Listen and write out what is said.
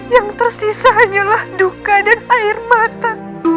yang tersisa hanyalah duka dan air mata